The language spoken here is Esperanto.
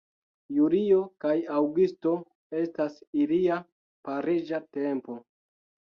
Julio kaj aŭgusto estas ilia pariĝa tempo.